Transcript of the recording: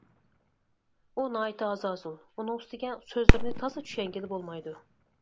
ئۇ ناھايىتى ھازازۇل، ئۇنىڭ ئۈستىگە سۆزلىرىنى تازا چۈشەنگىلى بولمايدۇ.